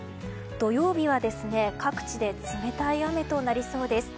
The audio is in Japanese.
土曜日は各地で冷たい雨となりそうです。